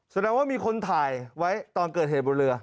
แสดงว่ามีคนถ่ายไว้ตอนเกิดเหตุบนเรือ